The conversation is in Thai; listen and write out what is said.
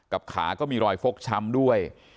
ขาก็มีรอยฟกช้ำด้วย